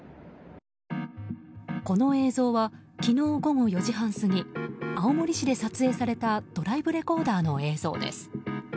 この映像は昨日午後４時半過ぎ青森市で撮影されたドライブレコーダーの映像です。